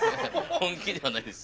本気ではないです